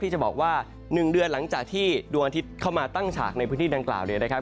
จะบอกว่า๑เดือนหลังจากที่ดวงอาทิตย์เข้ามาตั้งฉากในพื้นที่ดังกล่าวเนี่ยนะครับ